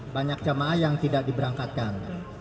banyak jamaah yang tidak diberangkatkan